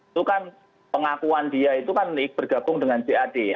itu kan pengakuan dia itu kan bergabung dengan jad ya